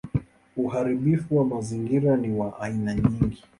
Uharibifu wa mazingira ni wa aina nyingi.